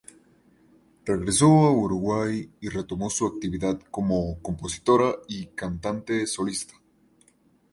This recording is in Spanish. Regresó a Uruguay y retomó su actividad como compositora y cantante solista.